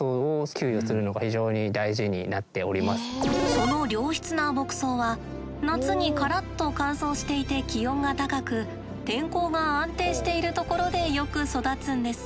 その良質な牧草は夏にカラッと乾燥していて気温が高く天候が安定しているところでよく育つんです。